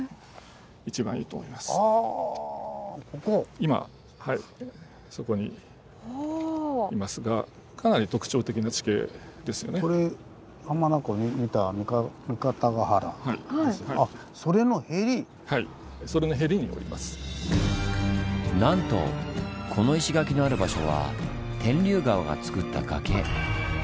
今はいそこにいますがなんとこの石垣のある場所は天竜川がつくった崖。